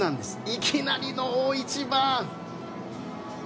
いきなりの大一番。